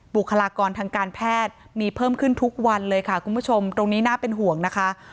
บุคลากรทางการแพทย์มีเพิ่มขึ้นทุกวันเลยค่ะคุณผู้ชมตรงนี้น่าเป็นห่วงนะคะ